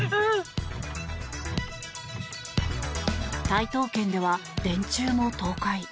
台東県では電柱も倒壊。